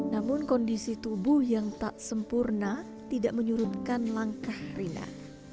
namun kondisi tubuh yang tak sempurna tidak menyurutkan langkah rina